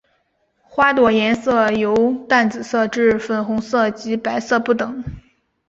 花朵颜色由淡紫色至粉红色及白色不等。